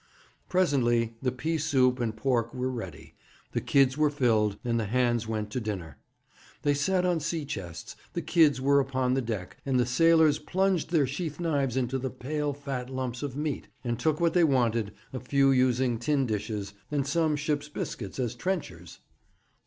Presently the pea soup and pork were ready, the kids were filled, and the hands went to dinner. They sat on sea chests, the kids were upon the deck, and the sailors plunged their sheath knives into the pale, fat lumps of meat, and took what they wanted, a few using tin dishes, and some ship's biscuit, as trenchers.